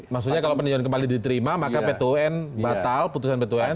maksudnya kalau peninjauan kembali diterima maka pt un batal putusan pt un